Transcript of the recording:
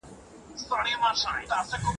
زده کوونکي دي خپلې ستونزې په پښتو ژبه بیان کړې.